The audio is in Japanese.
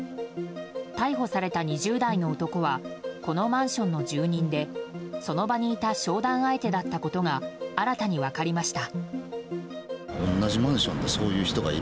逮捕された２０代の男はこのマンションの住人でその場にいた商談相手だったことが新たに分かりました。